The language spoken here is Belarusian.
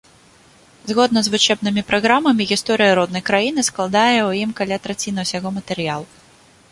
Згодна з вучэбнымі праграмамі, гісторыя роднай краіны складае ў ім каля траціны ўсяго матэрыялу.